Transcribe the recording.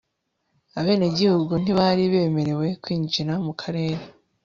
abenegihugu ntibari bemerewe kwinjira mu karere